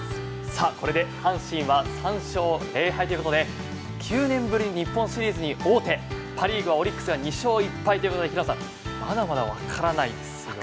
これで阪神は３勝０敗ということで９年ぶり日本シリーズに王手パ・リーグ、オリックスは２勝１敗ということで平野さんまだまだわからないですよね。